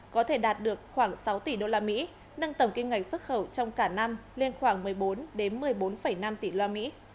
có thể đạt được khoảng sáu tỷ usd nâng tầm kinh ngạch xuất khẩu trong cả năm lên khoảng một mươi bốn một mươi bốn năm tỷ usd